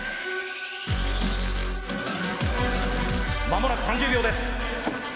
まもなく３０秒です。